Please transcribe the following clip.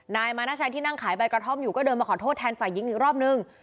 นายมานาชัยที่นั่งขายใบกระท่อมอยู่ก็เดินมาขอโทษแทนฝ่ายหญิงอีกรอบนึง